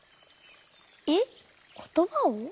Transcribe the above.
えっことばを？